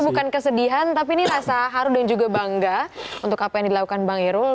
bukan kesedihan tapi ini rasa haru dan juga bangga untuk apa yang dilakukan bang irul